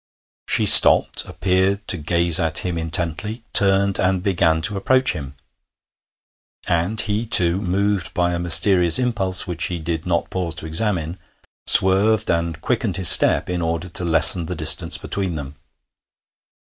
She stopped, appeared to gaze at him intently, turned, and began to approach him. And he too, moved by a mysterious impulse which he did not pause to examine, swerved, and quickened his step in order to lessen the distance between them.